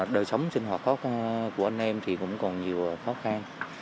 đời sống sinh hoạt của anh em thì cũng còn nhiều khó khăn